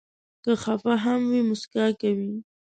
که خفه هم وي، مسکا کوي.